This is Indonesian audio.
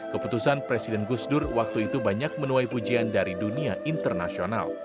keputusan presiden gus dur waktu itu banyak menuai pujian dari dunia internasional